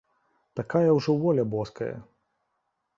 Такая ўжо воля боская.